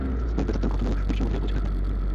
ঐ প্রেতাত্মার ঘটনা নিশ্চয় মদীনায় পৌঁছে থাকবে।